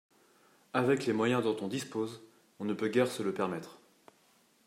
Avec les moyens dont on dispose, on ne peut guère se le permettre